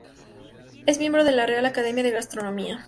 Es miembro de la Real Academia de Gastronomía.